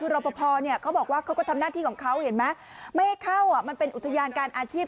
แล้วก็ถามว่ารอบพอทำงานของเขาไม่เข้ามันเป็นอุตยานการอาชีพ